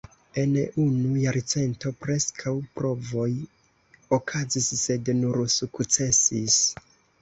En unu jarcento, preskaŭ provoj okazis sed nur sukcesis.